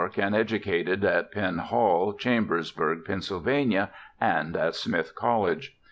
and educated at Penn Hall, Chambersburg, Pa., and at Smith College.